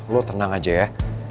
lo tenang aja ya